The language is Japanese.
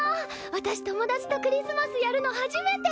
私友達とクリスマスやるの初めて。